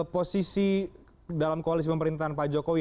posisi dalam koalisi pemerintahan pak jokowi